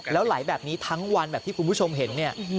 แล้วไหลแบบนี้ทั้งวันแบบที่คุณผู้ชมเห็นเนี่ย